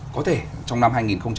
có thể trong năm hai nghìn hai mươi bốn